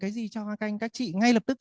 cái gì cho các anh các chị ngay lập tức